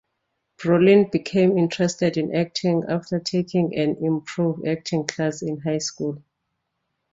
Brolin became interested in acting after taking an improv acting class in high school.